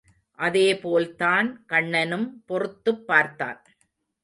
அதே போல்தான் கண்ணனும் பொறுத்துப் பார்த்தான்.